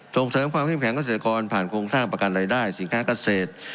ส่งเสริมความเข้มแข็งเกษตรกรผ่านโครงสร้างประกันรายได้สินค้าเกษตร